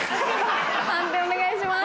判定お願いします。